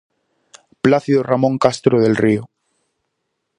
Plácido ramón Castro del río.